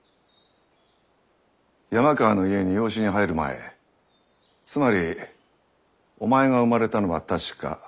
山川の家に養子に入る前つまりお前が生まれたのは確か。